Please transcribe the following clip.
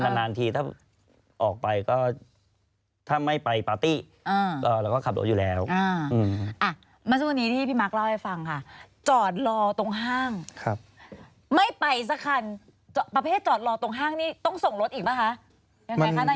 ไม่ไปสักครั้งประเภทจอดรอตรงห้างนี้ต้องส่งรถอีกเปล่าคะ